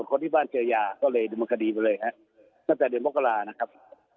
ส่วนคนที่บ้านเจอยาก็เลยดูมันคดีไปเลยนะครับตั้งแต่เดือนโปรกรานะครับ